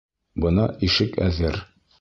Бына ишек әҙер!